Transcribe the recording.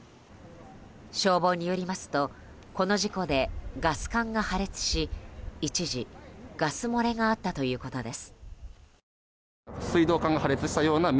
消防によりますとこの事故でガス管が破裂し一時、ガス漏れがあったということです。